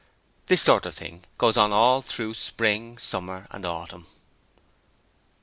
This sort of thing goes on all through spring, summer and autumn.